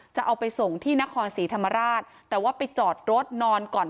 จะเอาไปส่งที่นครศรีธรรมราชแต่ว่าไปจอดรถนอนก่อน